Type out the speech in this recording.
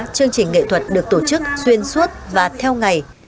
chương trình nghệ thuật được tổ chức xuyên suốt và theo ngày